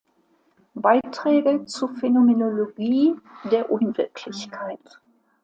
Beiträge zur Phänomenologie der Unwirklichkeit".